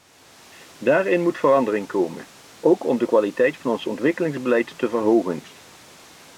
Daarin moet verandering komen, ook om de kwaliteit van ons ontwikkelingsbeleid te verhogen.